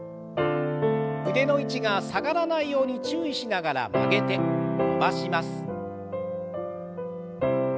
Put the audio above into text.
腕の位置が下がらないように注意しながら曲げて伸ばします。